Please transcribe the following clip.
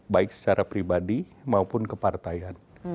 baik secara pribadi maupun kepartaian